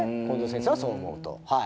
近藤先生はそう思うと。